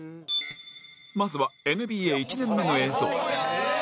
まずは ＮＢＡ１ 年目の映像